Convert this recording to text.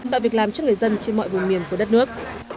tạo việc làm cho người dân trên mọi vùng miền của đất nước